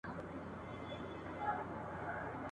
نه د بل پر حیثیت وي نه د خپلو !.